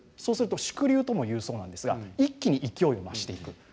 そうすると縮流とも言うそうなんですが一気に勢いを増していく。